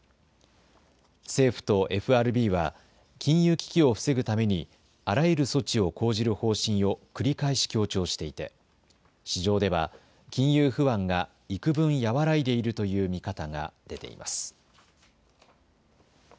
政府とＦＲＢは金融危機を防ぐためにあらゆる措置を講じる方針を繰り返し強調していて市場では金融不安がいくぶん和らいでいるという見方が出ています。